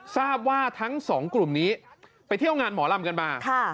ทราบว่าทั้งสองกลุ่มนี้ไปเที่ยวงานหมอลำกันมา